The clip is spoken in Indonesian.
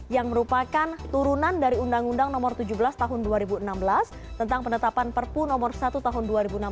yang merupakan turunan dari undang undang nomor tujuh belas tahun dua ribu enam belas tentang penetapan perpu nomor satu tahun dua ribu enam belas